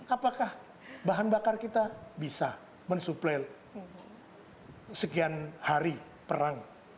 apakah bahan bakar kita bisa mensuplai sekian hari perang